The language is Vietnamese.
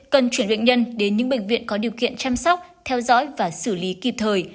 cần chuyển bệnh nhân đến những bệnh viện có điều kiện chăm sóc theo dõi và xử lý kịp thời